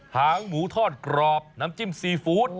หางหมูทอดกรอบน้ำจิ้มซีฟู้ด